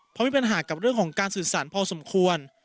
เพราะมีปัญหากับเรื่องของการสื่อสารพอสมควร